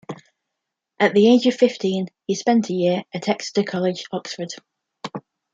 At the age of fifteen, he spent a year at Exeter College, Oxford.